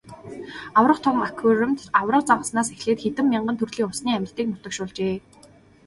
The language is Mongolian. Аварга том аквариумд аварга загаснаас эхлээд хэдэн мянган төрлийн усны амьтдыг нутагшуулжээ.